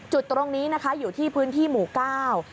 จุดตรงนี้อยู่ที่พื้นที่หมูก้าว